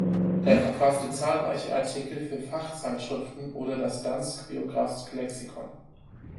Er verfasste zahlreiche Artikel für Fachzeitschriften oder das "Dansk biografisk leksikon".